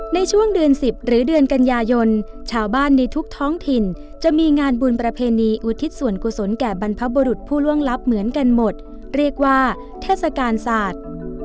ในช่วงเดือน๑๐หรือเดือนกันยายนชาวบ้านในทุกท้องถิ่นจะมีงานบุญประเพณีอุทิศส่วนกุศลแก่บรรพบุรุษผู้ล่วงลับเหมือนกันหมดเรียกว่าเทศกาลศาสตร์